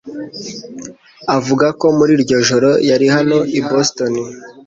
avuga ko muri iryo joro yari hano i Boston